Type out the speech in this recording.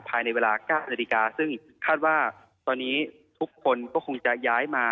ภายในเวลา๙นาฬิกาซึ่งคาดว่าตอนนี้ทุกคนก็คงจะย้ายมา